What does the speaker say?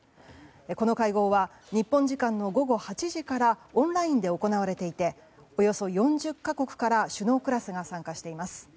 この会合は日本時間の午後８時からオンラインで行われていておよそ４０か国から首脳クラスが参加しています。